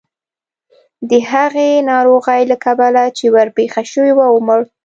د هغې ناروغۍ له کبله چې ورپېښه شوې وه ومړ.